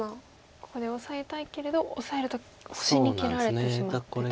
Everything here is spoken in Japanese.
ここでオサえたいけれどオサえると星に切られてしまってと。